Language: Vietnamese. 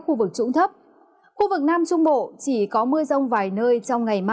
khu vực trũng thấp khu vực nam trung bộ chỉ có mưa rông vài nơi trong ngày mai